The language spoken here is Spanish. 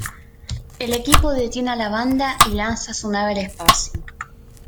El equipo detiene a la banda y lanza su nave al espacio.